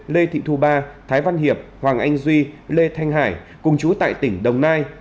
lê thị thu ba thái văn hiệp hoàng anh duy lê thanh hải cùng chú tại tỉnh đồng nai